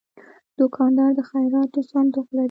دوکاندار د خیراتو صندوق لري.